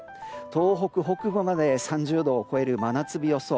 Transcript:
東北北部まで３０度を超える真夏日予想。